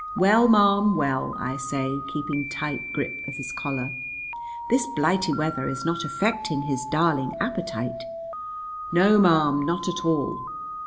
"Well, ma'am, well," I say, keeping tight grip of his collar. "This blighty weather is not affecting his darling appetite?" "No, ma'am, not at all."